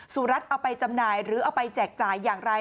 สุรัตน์เอาไปจำหน่ายหรือเอาไปแจกจ่ายอย่างไร